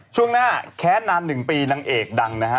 ช่วงหน้าแค้นนาน๑ปีนางเอกดังนะฮะ